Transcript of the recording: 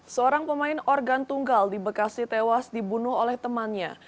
seorang pemain organ tunggal di bekasi tewas dibunuh oleh temannya